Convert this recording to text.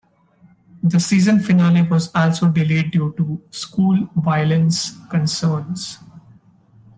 The season finale was also delayed due to "school violence concerns".